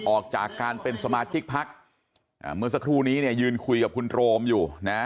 ออกจากการเป็นสมาชิกพักเมื่อสักครู่นี้เนี่ยยืนคุยกับคุณโรมอยู่นะ